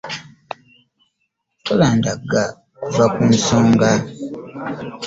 Tolandagga kuva ku nsonga.